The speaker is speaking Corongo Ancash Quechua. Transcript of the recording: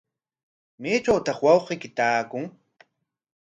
¿Maytrawtaq wawqiyki taakun?